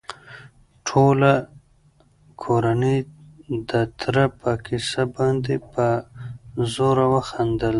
ټوله کورنۍ د تره په کيسه باندې په زوره وخندل.